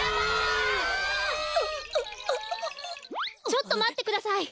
ちょっとまってください。